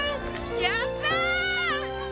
やったー！